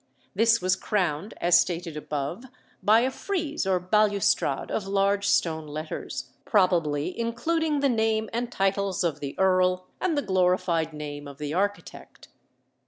This was crowned, as stated above, by a frieze or balustrade of large stone letters, probably including the name and titles of the earl and the glorified name of the architect.